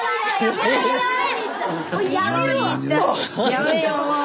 やめよもう。